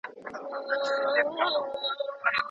دغه حاجي دونه تېز دی چي په یو وار طواف کوی.